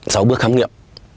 sau bước khám nghiệm